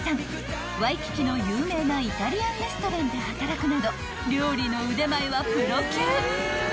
［ワイキキの有名なイタリアンレストランで働くなど料理の腕前はプロ級］